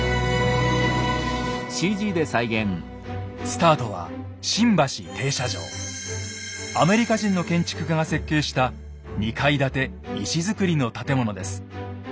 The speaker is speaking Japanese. スタートはアメリカ人の建築家が設計した２階建て石造りの建物です。